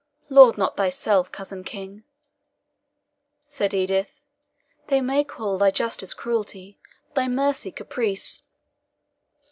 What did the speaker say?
"Laud not thyself, cousin King," said Edith. "They may call thy justice cruelty, thy mercy caprice."